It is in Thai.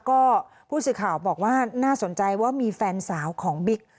ก็ผู้สื่อข่าวบอกว่าน่าสนใจว่ามีแฟนสาวของบิ๊ก